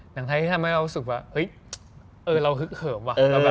อย่างไทยที่ทำให้เรารู้สึกว่าเฮ้ยเราฮึกเหิมว่ะ